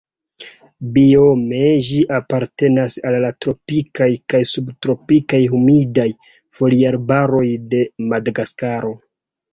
Biome ĝi apartenas al la tropikaj kaj subtropikaj humidaj foliarbaroj de Madagaskaro.